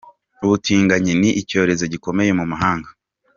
Ubutinganyi ni icyorezo gikomeye mu mahanga.